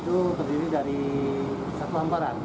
itu berdiri dari satu amparan